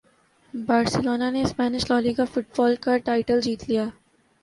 Barcelona نے Spanish La Liga football کا title جیت لیا